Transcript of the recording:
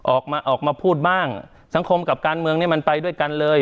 ออกมาออกมาพูดบ้างสังคมกับการเมืองนี้มันไปด้วยกันเลย